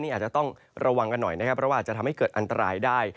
นี่อาจจะต้องระวังกันหน่อยเพราะว่าจะทำให้เกิดอันตรายได้